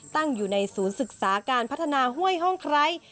ตั้งอยู่ในศูนย์ศึกษาการพัฒนาห้วยห้องไคร้